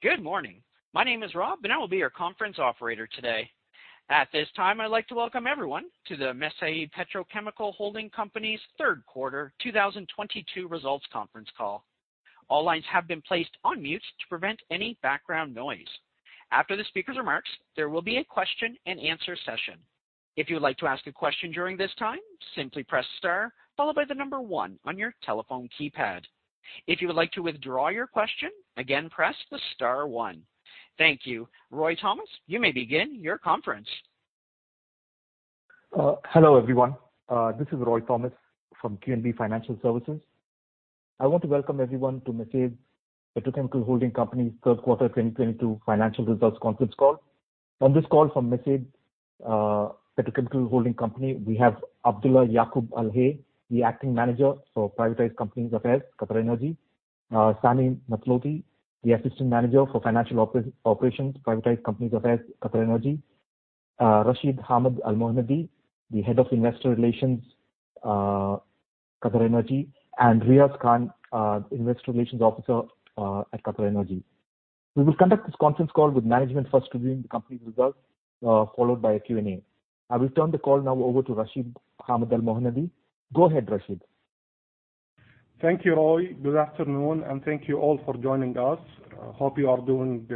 Good morning. My name is Rob, and I will be your conference operator today. At this time, I'd like to welcome everyone to the Mesaieed Petrochemical Holding Company's third quarter 2022 results conference call. All lines have been placed on mute to prevent any background noise. After the speaker's remarks, there will be a question and answer session. If you would like to ask a question during this time, simply press star followed by 1 on your telephone keypad. If you would like to withdraw your question, again, press the star 1. Thank you. Roy Thomas, you may begin your conference. Hello, everyone. This is Roy Thomas from QNB Financial Services. I want to welcome everyone to Mesaieed Petrochemical Holding Company third quarter 2022 financial results conference call. On this call from Mesaieed Petrochemical Holding Company, we have Abdulla Yaqoob Al-Hay, the Acting Manager for Privatized Companies Affairs, QatarEnergy. Sami Mathlouthi, the Assistant Manager for Financial Operations, Privatized Companies Affairs, QatarEnergy. Rashid Hamad Al-Mohannadi, the Head of Investor Relations, QatarEnergy, and Riaz Khan, Investor Relations Officer at QatarEnergy. We will conduct this conference call with management first reviewing the company's results, followed by a Q&A. I will turn the call now over to Rashid Hamad Al-Mohannadi. Go ahead, Rashid. Thank you, Roy. Good afternoon, and thank you all for joining us. Hope you are doing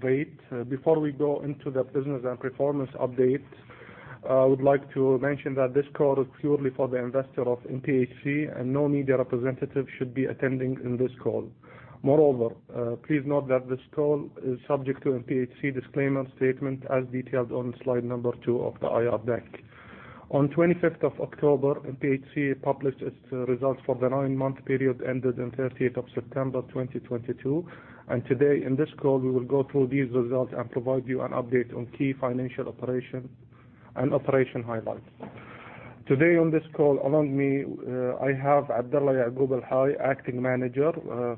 great. Before we go into the business and performance update, I would like to mention that this call is purely for the investor of MPHC, and no media representative should be attending in this call. Moreover, please note that this call is subject to MPHC disclaimer statement as detailed on slide number two of the IR deck. On 25th of October, MPHC published its results for the nine-month period ended on 30th of September 2022. Today in this call, we will go through these results and provide you an update on key financial operation and operation highlights. Today on this call, along with me, I have Abdulla Yaqoob Al-Hay, Acting Manager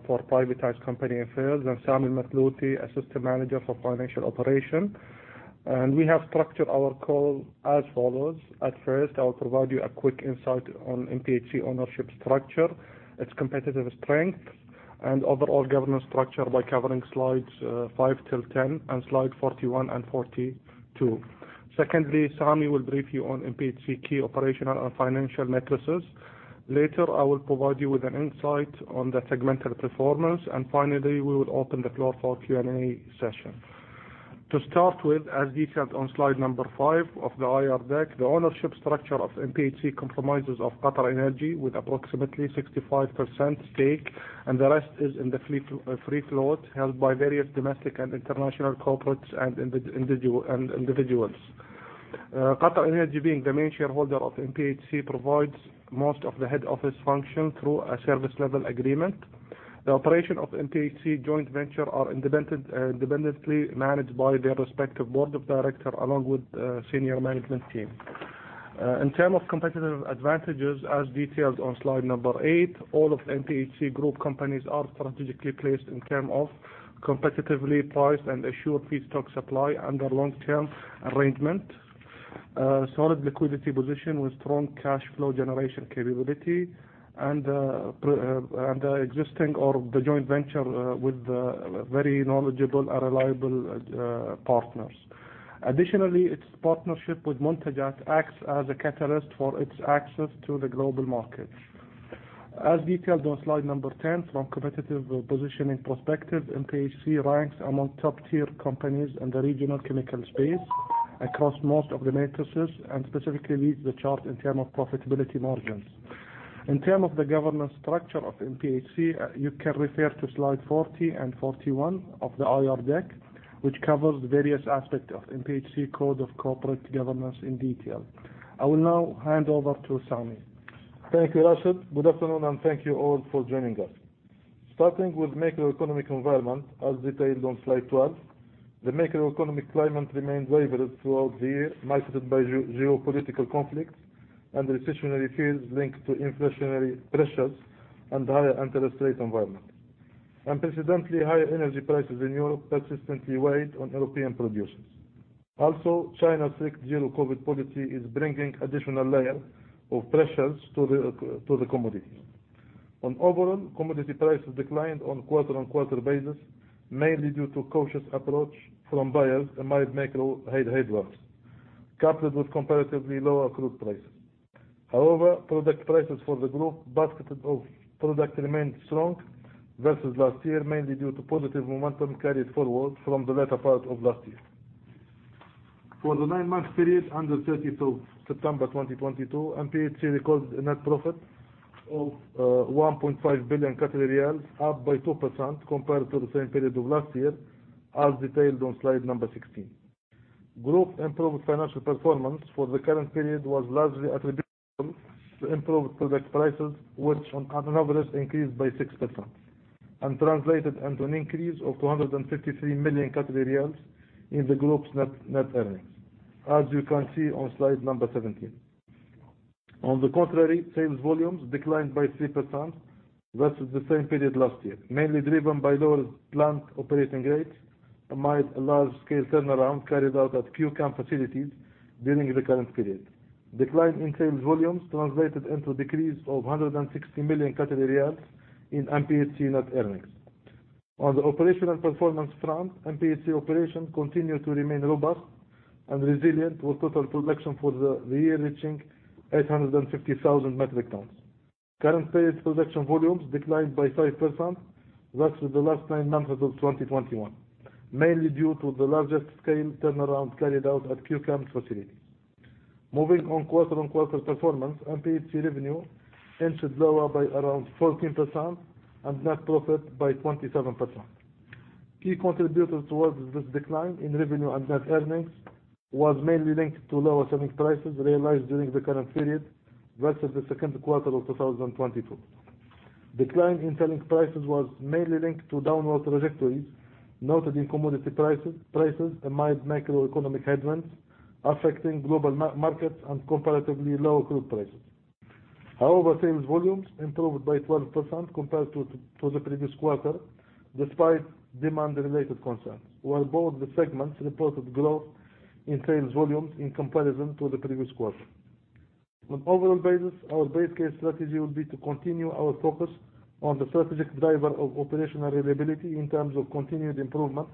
for Privatized Companies Affairs, and Sami Mathlouthi, Assistant Manager for Financial Operation. We have structured our call as follows. At first, I will provide you a quick insight on MPHC ownership structure, its competitive strength, and overall governance structure by covering slides five till 10 and slide 41 and 42. Secondly, Sami will brief you on MPHC key operational and financial matrices. Later, I will provide you with an insight on the segmental performance. Finally, we will open the floor for Q&A session. To start with, as detailed on slide number five of the IR deck, the ownership structure of MPHC compromises of QatarEnergy with approximately 65% stake, and the rest is in the free float held by various domestic and international corporates and individuals. QatarEnergy, being the main shareholder of MPHC, provides most of the head office function through a service level agreement. The operation of MPHC joint venture are independently managed by their respective board of director along with senior management team. In terms of competitive advantages, as detailed on slide number eight, all of MPHC group companies are strategically placed in terms of competitively priced and assured feedstock supply under long-term arrangement, solid liquidity position with strong cash flow generation capability, and existing or the joint venture with very knowledgeable and reliable partners. Additionally, its partnership with Muntajat acts as a catalyst for its access to the global markets. As detailed on slide number 10, from competitive positioning perspective, MPHC ranks among top-tier companies in the regional chemical space across most of the matrices, and specifically leads the chart in terms of profitability margins. In terms of the governance structure of MPHC, you can refer to slide 40 and 41 of the IR deck, which covers various aspects of MPHC code of corporate governance in detail. I will now hand over to Sami. Thank you, Rashid. Good afternoon, and thank you all for joining us. Starting with macroeconomic environment, as detailed on slide 12, the macroeconomic climate remained favorable throughout the year, marred by geopolitical conflicts and recessionary fears linked to inflationary pressures and higher interest rate environment. Unprecedentedly high energy prices in Europe persistently weighed on European producers. Also, China's strict zero-COVID policy is bringing additional layer of pressures to the commodities. On overall, commodity prices declined on quarter-on-quarter basis, mainly due to cautious approach from buyers amid macro headwinds, coupled with comparatively lower crude prices. However, product prices for the group basket of products remained strong versus last year, mainly due to positive momentum carried forward from the latter part of last year. For the nine-month period ended September 30, 2022, MPHC recorded a net profit of 1.5 billion riyal, up by 2% compared to the same period of last year, as detailed on slide number 16. Group improved financial performance for the current period was largely attributable to improved product prices, which on an annual increased by 6% and translated into an increase of 253 million Qatari riyals in the group's net earnings, as you can see on slide number 17. On the contrary, sales volumes declined by 3% versus the same period last year, mainly driven by lower plant operating rates amid a large-scale turnaround carried out at Q-Chem facilities during the current period. Decline in sales volumes translated into decrease of 160 million Qatari riyals in MPHC net earnings. On the operational performance front, MPHC operations continue to remain robust and resilient, with total production for the year reaching 850,000 metric tons. Current period production volumes declined by 5% versus the last nine months of 2021, mainly due to the large-scale turnaround carried out at Q-Chem facilities. Moving on quarter-on-quarter performance, MPHC revenue inched lower by around 14% and net profit by 27%. Key contributors towards this decline in revenue and net earnings was mainly linked to lower selling prices realized during the current period versus the second quarter of 2022. Decline in selling prices was mainly linked to downward trajectories noted in commodity prices amid macroeconomic headwinds affecting global markets and comparatively lower crude prices. However, sales volumes improved by 12% compared to the previous quarter, despite demand-related concerns, where both the segments reported growth in sales volumes in comparison to the previous quarter. On an overall basis, our base case strategy will be to continue our focus on the strategic driver of operational reliability in terms of continued improvement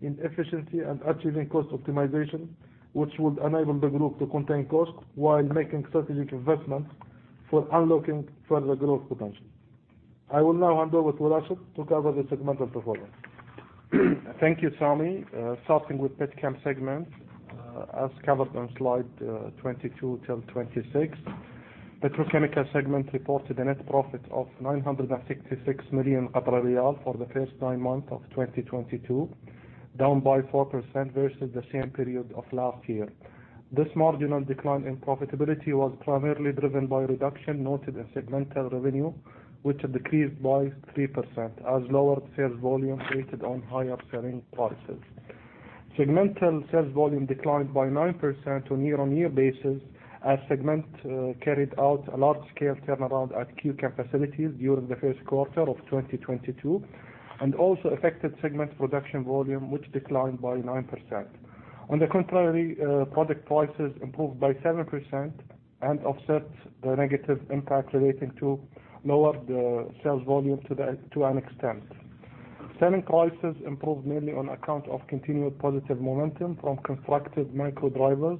in efficiency and achieving cost optimization, which would enable the group to contain costs while making strategic investments for unlocking further growth potential. I will now hand over to Adass to cover the segmental performance. Thank you, Sami. Starting with Petchem segment, as covered on slide 22 till 26. Petrochemical segment reported a net profit of 966 million for the first nine months of 2022, down by 4% versus the same period of last year. This marginal decline in profitability was primarily driven by a reduction noted in segmental revenue, which decreased by 3% as lower sales volume weighted on higher selling prices. Segmental sales volume declined by 9% on year-on-year basis, as segment carried out a large-scale turnaround at Q-Chem facilities during the first quarter of 2022, and also affected segment production volume, which declined by 9%. On the contrary, product prices improved by 7% and offset the negative impact relating to lower the sales volume to an extent. Selling prices improved mainly on account of continued positive momentum from constructive macro drivers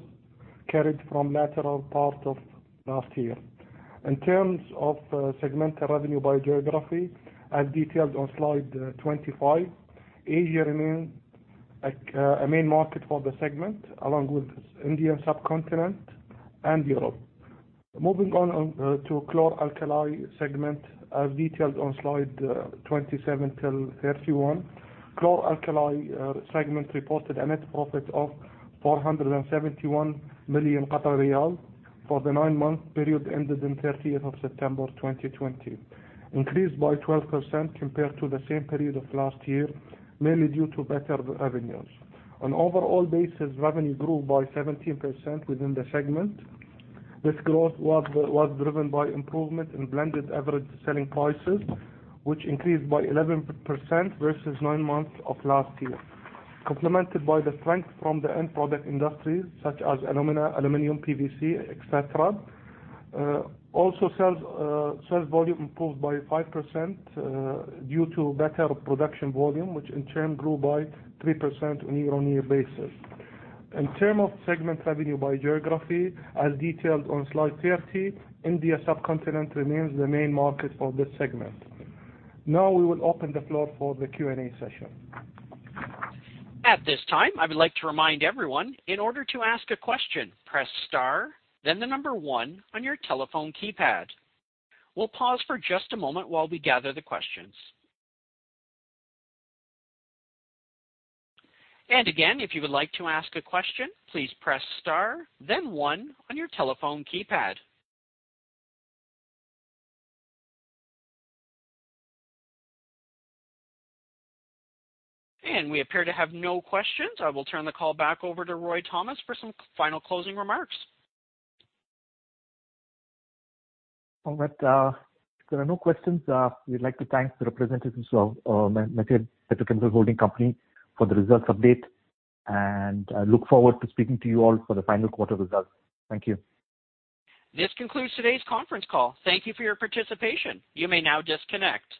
carried from latter part of last year. In terms of segmental revenue by geography, as detailed on slide 25, Asia remains a main market for the segment, along with Indian subcontinent and Europe. Moving on to Chlor-Alkali segment, as detailed on slide 27 till 31. Chlor-Alkali segment reported a net profit of 471 million riyal for the nine-month period ended in 30th of September 2020. Increased by 12% compared to the same period of last year, mainly due to better revenues. On an overall basis, revenue grew by 17% within the segment. This growth was driven by improvement in blended average selling prices, which increased by 11% versus nine months of last year, complemented by the strength from the end product industries such as alumina, aluminum, PVC, et cetera. Also, sales volume improved by 5% due to better production volume, which in turn grew by 3% on a year-on-year basis. In terms of segment revenue by geography, as detailed on slide 30, Indian subcontinent remains the main market for this segment. Now we will open the floor for the Q&A session. At this time, I would like to remind everyone, in order to ask a question, press star, then 1 on your telephone keypad. We'll pause for just a moment while we gather the questions. Again, if you would like to ask a question, please press star, then 1 on your telephone keypad. We appear to have no questions. I will turn the call back over to Roy Thomas for some final closing remarks. All right. If there are no questions, we'd like to thank the representatives of Mesaieed Petrochemical Holding Company for the results update, and I look forward to speaking to you all for the final quarter results. Thank you. This concludes today's conference call. Thank you for your participation. You may now disconnect.